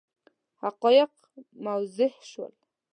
حقایق موضح شول.